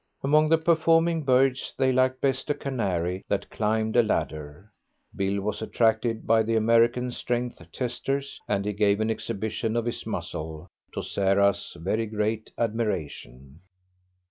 Among the performing birds they liked best a canary that climbed a ladder. Bill was attracted by the American strength testers, and he gave an exhibition of his muscle, to Sarah's very great admiration.